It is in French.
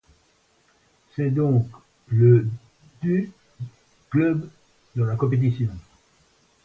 C'est donc le du club dans la compétition.